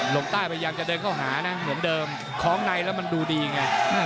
ลงใต้พยายามจะเดินเข้าหานะเหมือนเดิมคล้องในแล้วมันดูดีไง